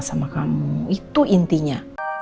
sama kamu itu intinya